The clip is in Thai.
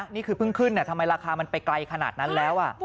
นี่คือเพิ่งขึ้นทำไมราคามันไปไกลขนาดนั้นแล้ว